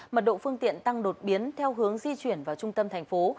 mật độ phương tiện tăng đột biến theo hướng di chuyển vào trung tâm thành phố